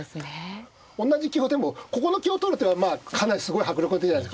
同じ香でもここの香取る手はかなりすごい迫力が出るじゃないですか。